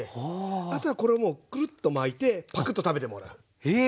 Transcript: あとはこれをもうクルッと巻いてパクッと食べてもらう。え！